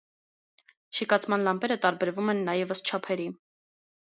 Շիկացման լամպերը տարբերվում են նաև ըստ չափերի։